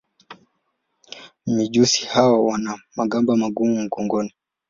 Mijusi hawa wana magamba magumu mgongoni.